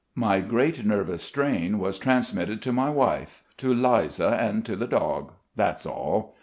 My great nervous strain was transmitted to my wife, to Liza, and to the dog. That's all.